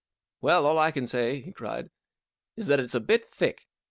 11 Well* all I can say/" he cried, " is that it's a bit thick